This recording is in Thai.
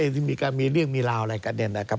ที่มีเรื่องมีราวอะไรกันเนี่ยนะครับ